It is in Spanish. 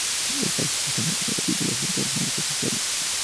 El país posee nueve títulos internacionales oficiales.